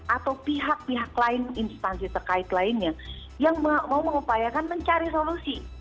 atau pihak pihak lain instansi terkait lainnya yang mau mengupayakan mencari solusi